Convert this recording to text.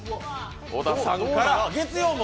小田さんから。